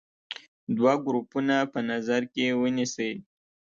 دوه ګروپونه په نظر کې ونیسئ.